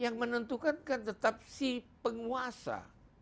yang menentukan kan tetap si penguasa